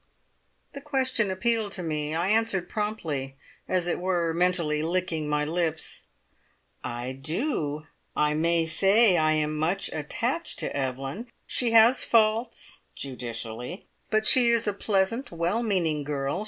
The question appealed to me. I answered promptly, as it were mentally licking my lips: "I do! I may say I am much attached to Evelyn. She has faults (judicially), but she is a pleasant, well meaning girl.